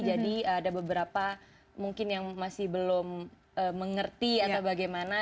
jadi ada beberapa mungkin yang masih belum mengerti atau bagaimana